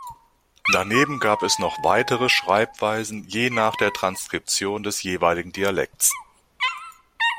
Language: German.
Daneben gibt es noch weitere Schreibweisen je nach der Transkription des jeweiligen Dialekts.